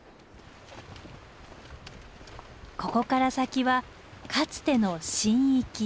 ここから先はかつての神域。